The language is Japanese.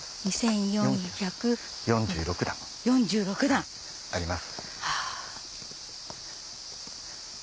４６段。あります。